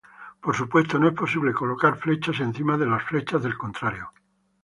Por supuesto no es posible colocar flechas encima de las flechas del contrario.